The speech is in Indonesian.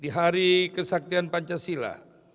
di hari kesaktian pancasila